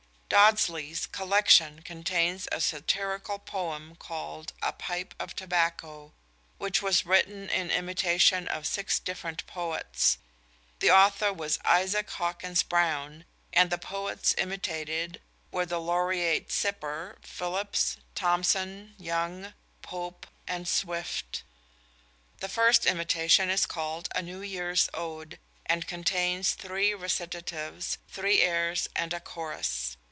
Dodsley's "Collection" contains a satirical poem called "A Pipe of Tobacco," which was written in imitation of six different poets. The author was Isaac Hawkins Browne, and the poets imitated were the Laureate Cibber, Philips, Thomson, Young, Pope, and Swift. The first imitation is called "A New Year's Ode," and contains three recitatives, three airs and a chorus.